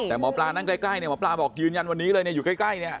แต่หมอปลานั่งใกล้เนี่ยหมอปลาบอกยืนยันวันนี้เลยเนี่ยอยู่ใกล้เนี่ย